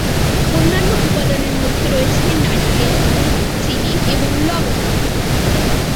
অন্যান্য উপাদানের মধ্যে রয়েছে নারিকেল, দুধ, চিনি এবং লবণ।